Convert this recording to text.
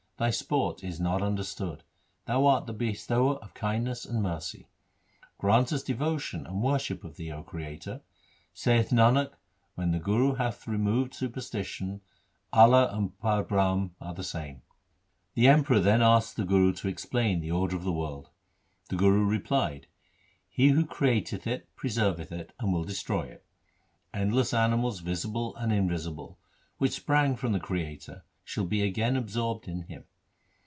Thy sport is not understood. Thou art the Bestower of kindness and mercy. Grant us devotion and worship of Thee, O Creator. Saith Nanak, when the Guru hath removed superstition, Allah and Parbrahm are the same. 1 The Emperor then asked the Guru to explain the order of the world. The Guru replied, ' He who created it preserveth it and will destroy it. Endless animals visible and invisible, which sprang from the Creator, shall be again absorbed in Him.